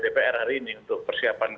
dpr hari ini untuk persiapan